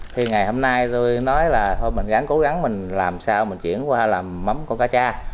thì ngày hôm nay tôi nói là thôi mình gắn cố gắng mình làm sao mình chuyển qua làm mắm của cá cha